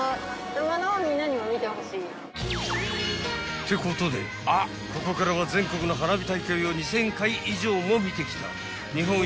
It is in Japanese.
［ってことでここからは全国の花火大会を２，０００回以上も見てきた］